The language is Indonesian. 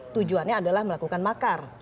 tujuannya adalah melakukan makar